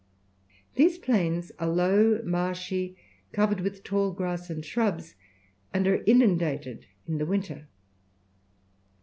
These plains are low, marshy, covered with tall grass and shrubs, and are inundated in the winter.